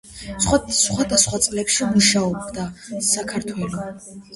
სხვადასხვა წლებში მუშაობდა საქართვ.